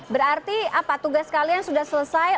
berarti apa tugas kalian sudah selesai